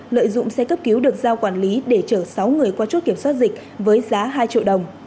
lợi dụng xe cấp cứu được giao quản lý để chở sáu người qua chốt kiểm soát dịch với giá hai triệu đồng